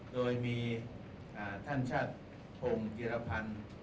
โดยมีท่านชาติพงศ์จิรพันธ์